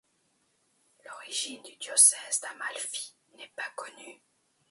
L'origine du diocèse d'Amalfi n'est pas connue.